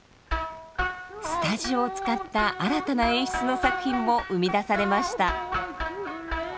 スタジオを使った新たな演出の作品も生み出されました。